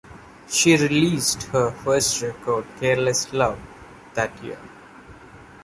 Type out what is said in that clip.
She released her first record "Careless Love" that year.